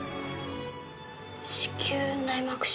子宮内膜症。